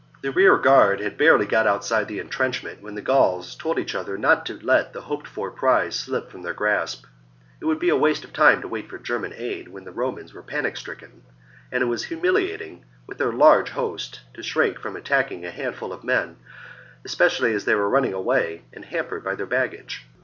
fii* 8. The rearguard had barely got outside the entrenchment when the Gauls told each other not to let the hoped for prize slip from their grasp : it would be waste of time to wait for German aid when the Romans were panic stricken ; and it was humiliating, with their huge host, to shrink from attacking a handful of men, especially as they were running away and hampered by their baggage.